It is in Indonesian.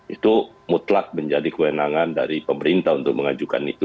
itu mutlak menjadi kewenangan dari pemerintah untuk mengajukan itu